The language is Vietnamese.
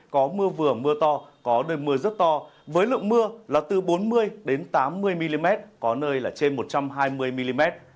có mưa vừa mưa to có nơi mưa rất to với lượng mưa là từ bốn mươi tám mươi mm có nơi là trên một trăm hai mươi mm